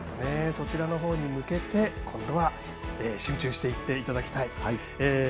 そちらのほうに向けて今度は集中していっていただきたい。